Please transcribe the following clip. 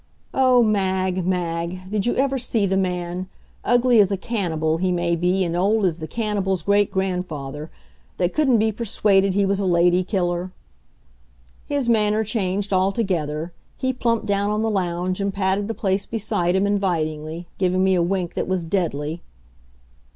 Oh, Mag, Mag, did you ever see the man ugly as a cannibal he may be and old as the cannibal's great grandfather that couldn't be persuaded he was a lady killer? His manner changed altogether. He plumped down on the lounge and patted the place beside him invitingly, giving me a wink that was deadly.